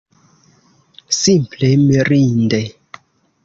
Simple mirinde!